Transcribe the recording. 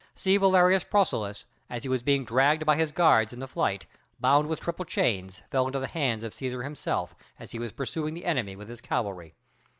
C. Valerius Procillus, as he was being dragged by his guards in the flight, bound with a triple chain, fell into the hands of Cæsar himself, as he was pursuing the enemy with his cavalry.